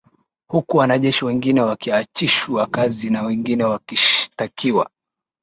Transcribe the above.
Huku wanajeshi wengine wakiachishwa kazi na wengine wakishtakiwa